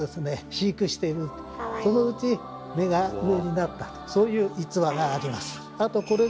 飼育しているとそのうち目が上になったとそういう逸話があります。